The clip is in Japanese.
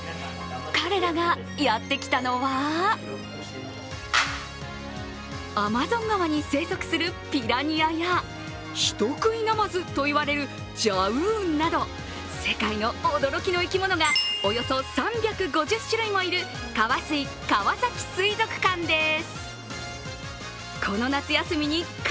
彼らがやってきたのはアマゾン川に生息するピラニアや人食いなまずと言われるジャウーなど世界の驚きの生き物がおよそ３５０種類もいるカワスイ川崎水族館です。